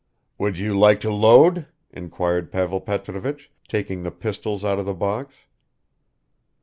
"Would you like to load?" inquired Pavel Petrovich, taking the pistols out of the box.